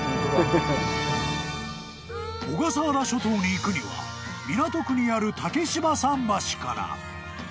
［小笠原諸島に行くには港区にある竹芝桟橋から］